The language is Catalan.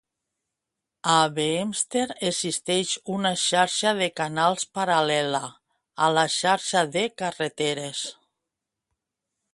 A Beemster existeix una xarxa de canals paral·lela a la xarxa de carreteres.